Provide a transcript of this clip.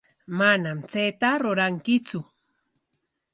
Manam chayta ruranchiktsu.